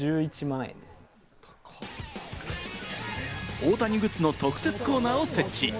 大谷グッズの特設コーナーを設置。